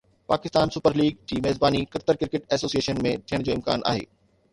Pakistan super league جي ميزباني Qatar cricket association ۾ ٿيڻ جو امڪان آهي